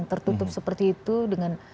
tertutup seperti itu dengan